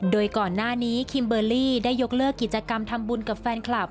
โดยก่อนหน้านี้คิมเบอร์รี่ได้ยกเลิกกิจกรรมทำบุญกับแฟนคลับ